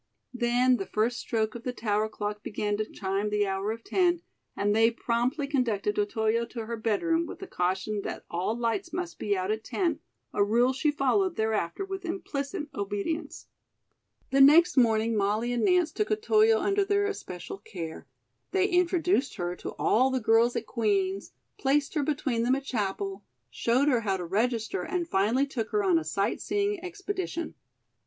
Then the first stroke of the tower clock began to chime the hour of ten and they promptly conducted Otoyo to her bedroom with the caution that all lights must be out at ten, a rule she followed thereafter with implicit obedience. The next morning, Molly and Nance took Otoyo under their especial care. They introduced her to all the girls at Queen's, placed her between them at Chapel, showed her how to register and finally took her on a sight seeing expedition.